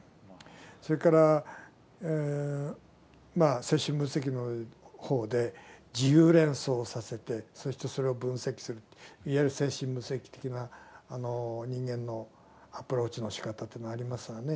それから精神分析の方で自由連想させてそしてそれを分析するいわゆる精神分析的なあの人間のアプローチのしかたというのがありますわね。